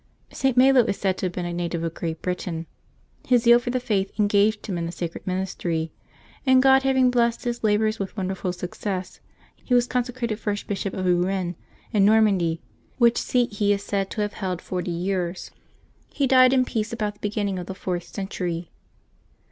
[t. Mello is said to have been a native of Great Britain; his zeal for the Faith engaged him in the sacred ministry, and God having blessed his labors with wonderful success, he was consecrated first bishop of Rouen in Normandy, which see he is said to have held forty years. 342 LIVES OF THE SAINTS [Octobeb 23 He died in peace, about the beginning of the fourth oen tury.